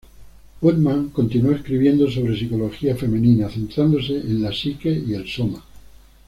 Woodman continuó escribiendo sobre psicología femenina, centrándose en la psique y el soma.